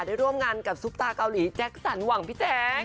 ร่วมงานกับซุปตาเกาหลีแจ็คสันหวังพี่แจ๊ค